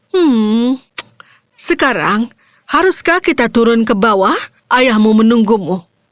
hmm sekarang haruskah kita turun ke bawah ayahmu menunggumu